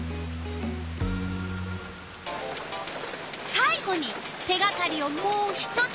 さい後に手がかりをもう一つ。